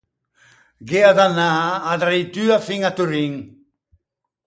Gh’ea d’anâ a-a dreitua fin à Turin.